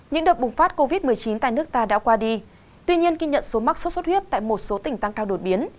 những đợt bùng phát covid một mươi chín tại nước ta đã qua đi tuy nhiên kinh nhận số mắc sốt xuất huyết tại một số tỉnh tăng cao đột biến